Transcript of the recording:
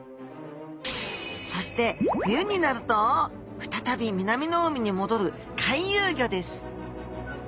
そして冬になると再び南の海に戻る回遊魚です。